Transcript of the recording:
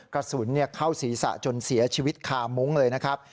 กระสุนเข้าศีรษะจนเสียชีวิตคามุ้งเลยนะครับ